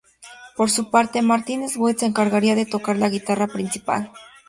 Por su parte, Martin Sweet se encargaría de tocar la guitarra principal.